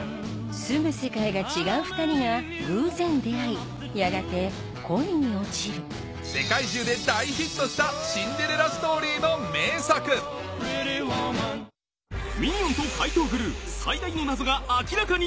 住む世界が違う２人が偶然出会いやがて恋に落ちる世界中で大ヒットしたミニオンと怪盗グルー最大の謎が明らかに！